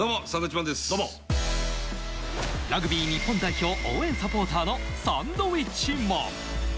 ラグビー日本代表、応援サポーターのサンドウィッチマン。